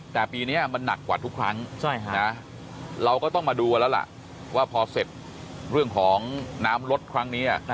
แต่ปีนี้มันหนักกว่าทุกครั้งเราก็ต้องมาดูกันแล้วล่ะว่าพอเสร็จเรื่องของน้ำลดครั้งนี้